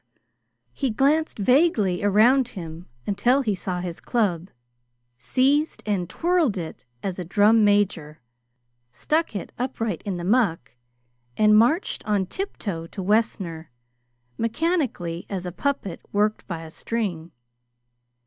He glanced vaguely around him until he saw his club, seized and twirled it as a drum major, stuck it upright in the muck, and marched on tiptoe to Wessner, mechanically, as a puppet worked by a string.